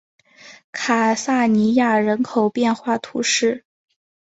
卡萨尼亚人口变化图示